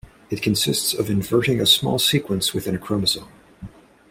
It consists of inverting a small sequence within a chromosome.